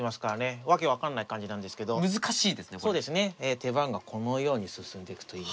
手番がこのように進んでいくという。